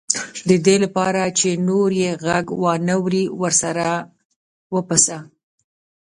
د دې لپاره چې نور یې غږ وانه وري ورسره وپسه.